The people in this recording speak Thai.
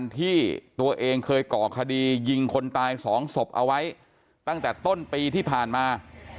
ที่ตัวเองเคยก่อคดียิงคนตายสองศพเอาไว้ตั้งแต่ต้นปีที่ผ่านมา